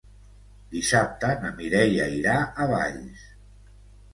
Dissabte na Mireia irà a Valls.